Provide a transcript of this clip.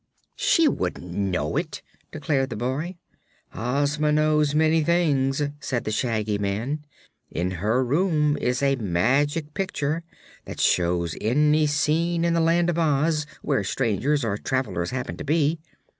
"She wouldn't know it," declared the boy. "Ozma knows many things," said the Shaggy Man. "In her room is a Magic Picture that shows any scene in the Land of Oz where strangers or travelers happen to be.